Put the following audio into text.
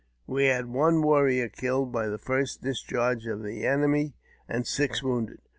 We had one warrior killed by the first discharge of the enemy, and six wounded.